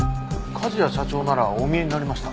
梶谷社長ならお見えになりました。